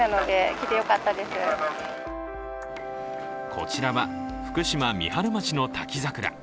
こちらは福島・三春町の滝桜。